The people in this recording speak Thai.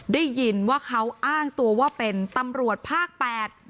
ได้ยินว่าเขาอ้างตัวว่าเป็นตำรวจภาคแปด